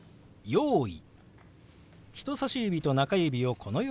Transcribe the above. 「用意」。